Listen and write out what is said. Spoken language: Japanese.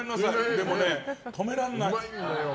でもね、止められない。